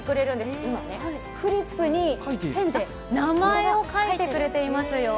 今ね、フリップにペンで名前を書いてくれていますよ。